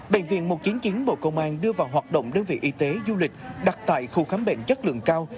bệnh viện một trăm chín mươi chín bộ công an đưa vào hoạt động đơn vị y tế du lịch đặt tại khu khám bệnh chất lượng cao